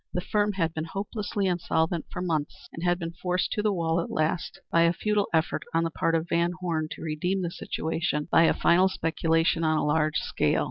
The firm had been hopelessly insolvent for months, and had been forced to the wall at last by a futile effort on the part of Van Horne to redeem the situation by a final speculation on a large scale.